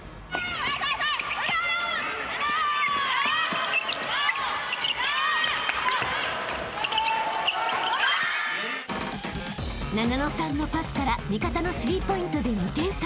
［ななのさんのパスから味方の３ポイントで２点差］